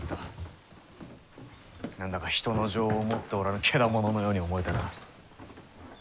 何だか人の情を持っておらぬケダモノのように思えてな。